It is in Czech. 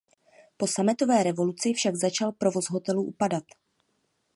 Po sametové revoluci však začal provoz hotelu upadat.